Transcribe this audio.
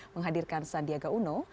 menghadirkan sandiaga uno